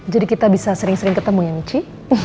jadi kita bisa sering sering ketemu ya michi